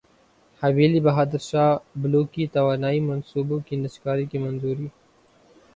حویلی بہادر شاہ بلوکی توانائی منصوبوں کی نجکاری کی منظوری